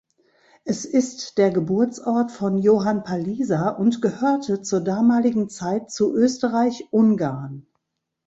Es ist der Geburtsort von Johann Palisa und gehörte zur damaligen Zeit zu Österreich-Ungarn.